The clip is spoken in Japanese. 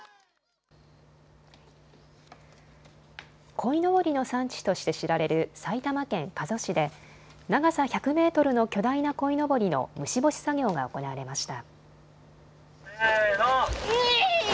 こいのぼりの産地として知られる埼玉県加須市で長さ１００メートルの巨大なこいのぼりの虫干し作業が行われました。